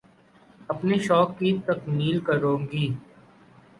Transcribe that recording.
اپنے شوق کی تکمیل کروں گی